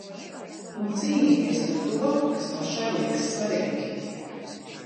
Un cīnīties par to, kas pašai liekas svarīgi.